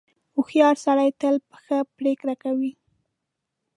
• هوښیار سړی تل ښه پرېکړه کوي.